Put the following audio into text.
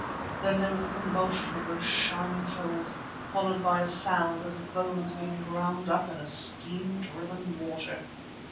Then there was a convulsion of those shining folds, followed by a sound as of bones being ground up in a steam driven mortar.